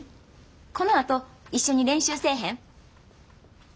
このあと一緒に練習せえへん？